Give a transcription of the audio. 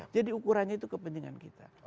jadi ukurannya itu kepentingan kita